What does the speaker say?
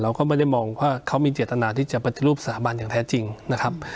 เขาก็ไม่ได้มองว่าเขามีเจตนาที่จะปฏิรูปสถาบันอย่างแท้จริงนะครับ